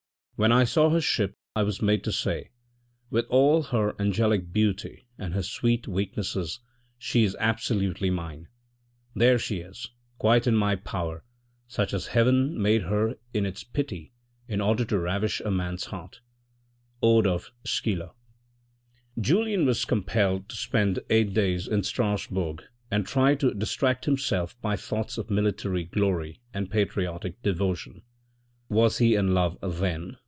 When I saw her sleep I was made to say " With all her angelic beauty and her sweet weaknesses she is absolutely mine ! There she is, quite in my power, such as Heaven made her in its pity in order to ravish a man's heart." — Ode of Schiller, Julien was compelled to spend eight days in Strasbourg and tried to distract himself by thoughts of military glory and patriotic devotion. Was he in love then